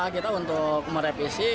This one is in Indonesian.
kita untuk merevisi